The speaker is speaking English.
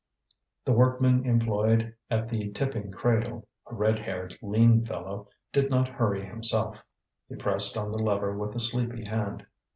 The workman employed at the tipping cradle, a red haired lean fellow, did not hurry himself; he pressed on the lever with a sleepy hand.